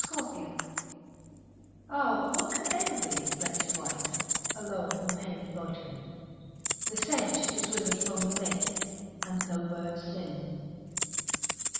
8 Autoplay Ah, what can ail thee, wretched wight, Alone and palely loitering? The sedge is withered from the lake, And no birds sing.